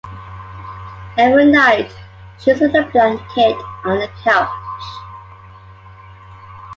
Every night, she is with a blanket on the couch.